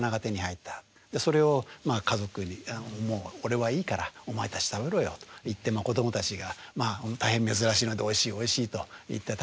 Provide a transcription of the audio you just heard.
それを家族に「俺はいいからお前たち食べろよ」と言って子どもたちが大変珍しいので「おいしいおいしい」と言って食べる。